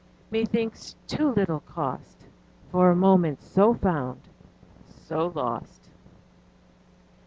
_20 5. ......... Methinks too little cost For a moment so found, so lost!